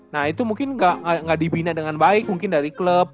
nah itu mungkin nggak dibina dengan baik mungkin dari klub